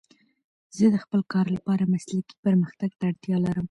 زه د خپل کار لپاره مسلکي پرمختګ ته اړتیا لرم.